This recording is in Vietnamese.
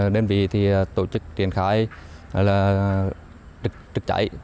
đơn vị tổ chức triển khai trực chạy